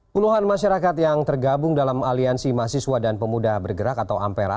puluhan masyarakat yang tergabung dalam aliansi mahasiswa dan pemuda bergerak atau ampera